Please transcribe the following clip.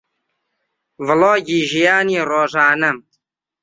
ڤڵۆگی ژیانی ڕۆژانەم